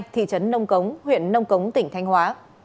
thị trấn nông cống huyện nông cống tỉnh thanh hóa